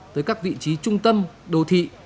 tới các vị trí trung tâm đô thị